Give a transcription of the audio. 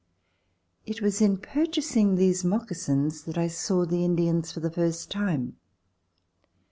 It was in purchasing these moccasins that I saw the Indians for the first time.